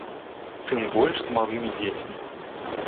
Тым больш з малымі дзецьмі.